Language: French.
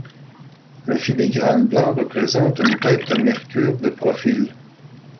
Le filigrane blanc représente une tête de Mercure de profil.